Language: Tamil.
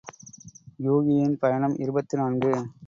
யூகியின் பயணம் இருபத்து நான்கு.